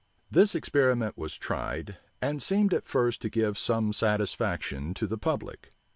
This experiment was tried, and seemed at first to give some satisfaction to the public.